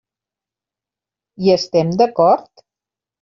Hi estem d'acord?